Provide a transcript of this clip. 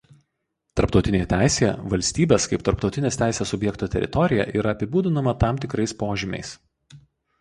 Tarptautinėje teisėje valstybės kaip tarptautinės teisės subjekto teritorija yra apibūdinama tam tikrais požymiais.